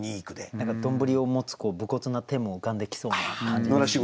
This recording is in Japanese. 何か丼を持つ武骨な手も浮かんできそうな感じですね。